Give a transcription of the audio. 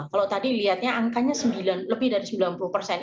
kalau tadi lihatnya angkanya lebih dari sembilan puluh persen